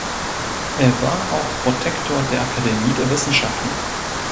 Er war auch Protektor der Akademie der Wissenschaften.